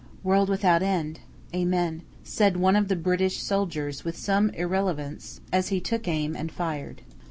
"World without end. Amen," said one of the British soldiers with some irrelevance as he took aim and fired.